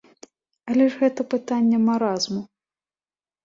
Але ж гэта пытанне маразму.